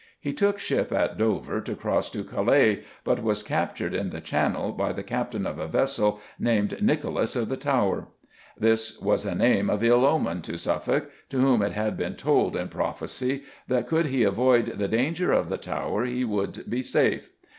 He took ship at Dover to cross to Calais, but was captured in the Channel by the captain of a vessel named Nicholas of the Tower. This was a name of ill omen to Suffolk, to whom it had been told, in prophecy, that could he avoid the "danger of the Tower" he should be safe.